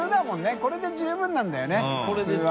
これで十分なんだよね普通は。